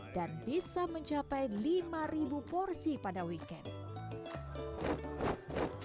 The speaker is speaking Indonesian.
dan bisa mencapai lima ribu porsi pada weekend